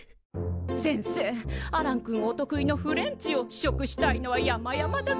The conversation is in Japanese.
先生アランくんお得意のフレンチを試食したいのはやまやまだけど。